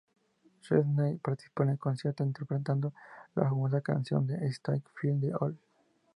Sweeney participó en el concierto interpretando la famosa canción de Sting ""Fields of Gold"".